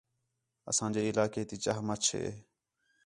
اساں جے علاقے تی چاہ مچھ ہے